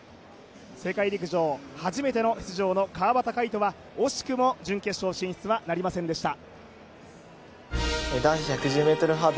世界陸上、初めての出場の川端魁人は惜しくも準決勝進出はなりませんでした。